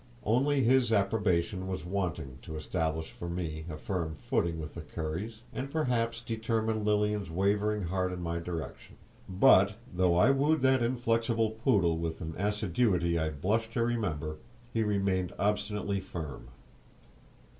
Only his approbation was wanting to establish for me a firm footing with the Curries, and perhaps determine Lilian's wavering heart in my direction; but, though I wooed that inflexible poodle with an assiduity I blush to remember, he remained obstinately firm.